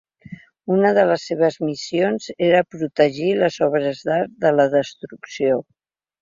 Una de les seves missions era protegir les obres d’art de la destrucció.